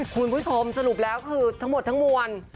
คุณผู้ชมสรุปแล้วคือทั้งหมดทั้งมวล